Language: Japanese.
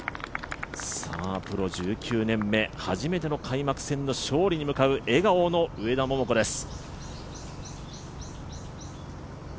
プロ１９年目初めての開幕戦の勝利に向かう笑顔の上田桃子です。